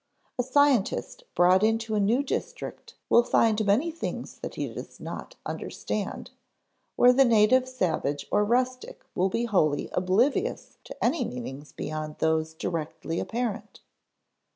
A scientist brought into a new district will find many things that he does not understand, where the native savage or rustic will be wholly oblivious to any meanings beyond those directly apparent.